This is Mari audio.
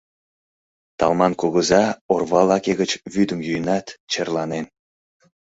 Талман кугыза орва лаке гыч вӱдым йӱынат, черланен».